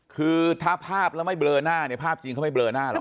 คือถ้าภาพแล้วไม่เบลอหน้าเนี่ยภาพจริงเขาไม่เลอหน้าหรอก